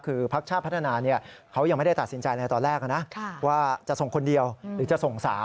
คือพักชาติพัฒนาเขายังไม่ได้ตัดสินใจในตอนแรกนะว่าจะส่งคนเดียวหรือจะส่ง๓